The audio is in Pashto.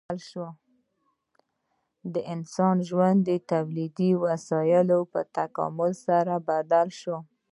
د انسان ژوند د تولیدي وسایلو په تکامل سره بدل شو.